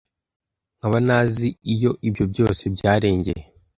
Nkaba ntazi iyo ibyo byose byarengeye